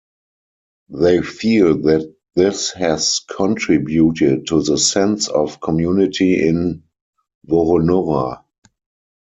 They feel that this has contributed to the sense of community in Woronora.